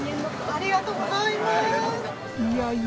ありがとうございます。